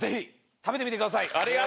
食べてください。